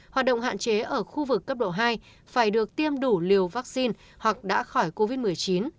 hoạt động hạn chế ở khu vực cấp độ hai phải được tiêm đủ liều vaccine hoặc đã khỏi covid một mươi chín